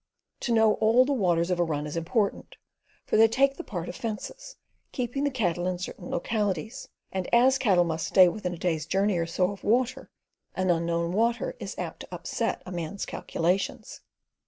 To know all the waters of a run is important; for they take the part of fences, keeping the cattle in certain localities; and as cattle must stay within a day's journey or so of water, an unknown water is apt to upset a man's calculations.